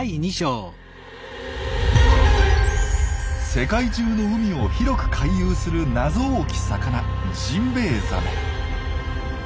世界中の海を広く回遊する謎多き魚ジンベエザメ。